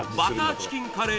チキンカレー